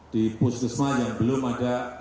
di puskesmas yang belum ada